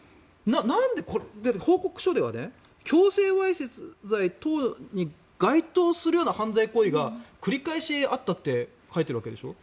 なんで、だって報告書では強制わいせつ罪等に該当するような犯罪行為が繰り返しあったって書いてあるわけでしょ。